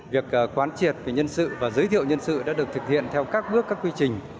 việc quán triệt về nhân sự và giới thiệu nhân sự đã được thực hiện theo các bước các quy trình